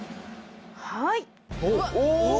はい！